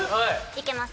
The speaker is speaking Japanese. いけます！